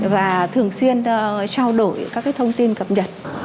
và thường xuyên trao đổi các thông tin cập nhật